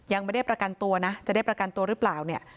ยังไม่ได้ประกันตัวนะจะได้ประกันตัวหรือเปล่าเนี่ย